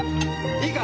いいか！